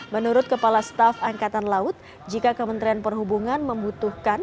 menurut kepala staf angkatan laut jika kementerian perhubungan membutuhkan